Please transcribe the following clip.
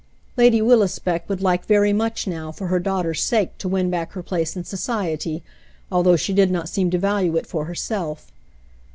" Lady WiUisbeck would like very much now, for her daughter's sake, to win back her place in society, although she did not seem to value it for herself.